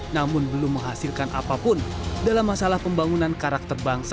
namun belum menghasilkan apapun dalam masalah pembangunan karakter bangsa